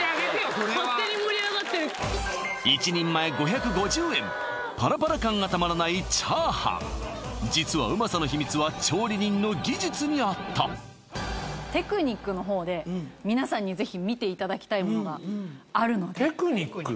それは勝手に盛り上がって１人前５５０円パラパラ感がたまらない炒飯実はうまさの秘密は調理人の技術にあったテクニックのほうで皆さんにぜひ見ていただきたいものがあるのでテクニック？